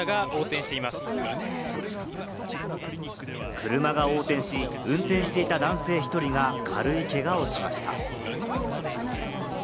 車が横転し、運転していた男性１人が軽いけがをしました。